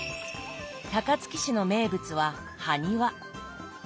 高槻市の名物ははにわ。